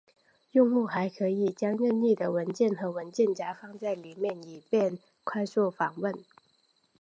用户还可以将任意的文件和文件夹放在里面以便快速访问。